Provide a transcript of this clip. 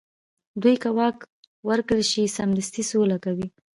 دوی که واک ورکړل شي، سمدستي سوله کوي.